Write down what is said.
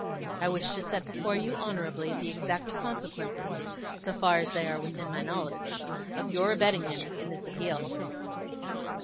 I wish to set before you, honourably, the exact consequences so far as they are within my knowledge of your abetting him in this appeal.